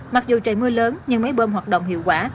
mặc dù trời mưa lớn nhưng máy bơm hoạt động hiệu quả